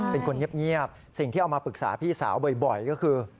เป็นคนเงียบสิ่งที่เอามาปรึกษาพี่สาวบ่อยก็คือ